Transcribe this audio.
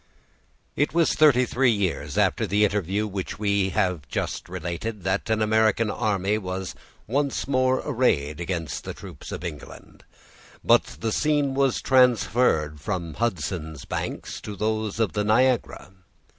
It was thirty three years after the interview which we have just related that an American army was once more arrayed against the troops of England; but the scene was transferred from Hudson's banks to those of the Niagara.